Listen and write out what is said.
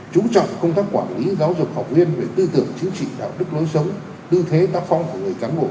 chú trọng công tác quản lý giáo dục học viên về tư tưởng chính trị đạo đức lối sống tư thế tác phong của người cán bộ